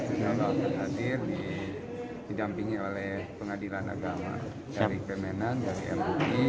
insya allah akan hadir didampingi oleh pengadilan agama dari kemenan dari mti